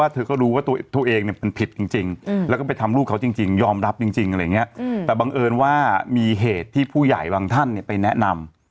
แต่บังเอิญว่ามีเหตุที่ผู้ใหญ่บางท่านเนี่ยไปแนะนำ